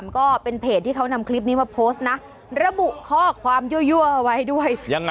ก็เป็นเพจที่เขานำคลิปนี้มาโพสต์นะระบุข้อความยั่วเอาไว้ด้วย